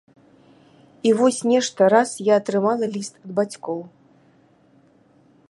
І вось нешта раз я атрымала ліст ад бацькоў.